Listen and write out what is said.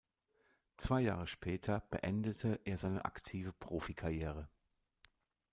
Zwei Jahre später beendete er seine aktive Profikarriere.